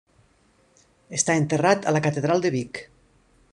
Està enterrat a la catedral de Vic.